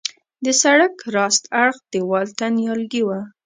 د سړک راست اړخ دیوال ته نیالګي وه.